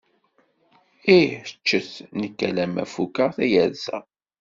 Ih ččet, nekk alemma fukeɣ tayerza.